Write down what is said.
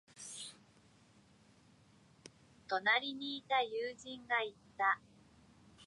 隣にいた友人が言った。